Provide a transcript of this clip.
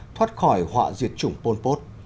thoát khỏi họa diệt chủng pol pot